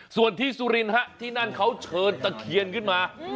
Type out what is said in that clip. ส่วนที่สุรินฮะที่นั่นเขาเชิญตะเคียนขึ้นมา